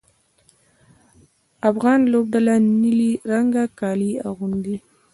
افغان لوبډله نیلي رنګه کالي اغوندي.